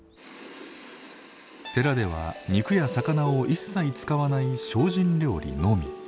寺では肉や魚を一切使わない精進料理のみ。